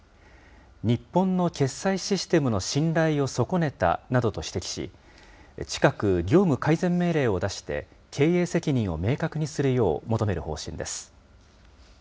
日本の決済システムの信頼を損ねたなどと指摘し、近く、業務改善命令を出して、経営責任を明確にするよう求める方針です。